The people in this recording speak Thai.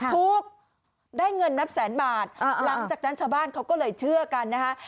ทุกข์ได้เงินนับแสนบาทหลังจากนั้นชาวบ้านเขาก็เลยเชื่อกันนะคะ